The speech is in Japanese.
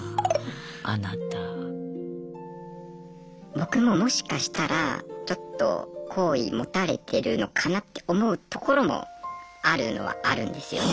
僕ももしかしたらちょっと好意持たれてるのかなって思うところもあるのはあるんですよね。